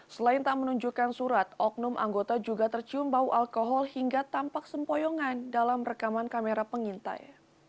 selain tak menunjukkan surat oknum anggota juga tercium bau alkohol hingga tampak sempoyongan dalam rekaman kamera pengintai